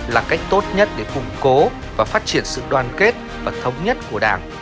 là cách tốt nhất để củng cố và phát triển sự đoàn kết và thống nhất của đảng